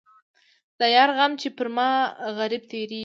د یار غمه چې پر ما غريب تېرېږي.